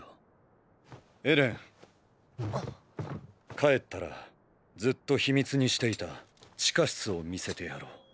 帰ったらずっと秘密にしていた地下室を見せてやろう。